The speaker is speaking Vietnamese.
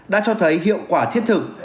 đã cho thấy hiệu quả thiết thực